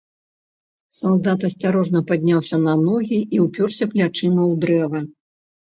Салдат асцярожна падняўся на ногі і ўпёрся плячыма ў дрэва.